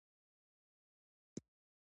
طالبان د نظامي پالي اسلام ځواکونه دي.